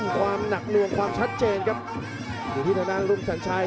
ความหนักเหลืองความชัดเจนครับอยู่ที่ธนาลุงสัญชัย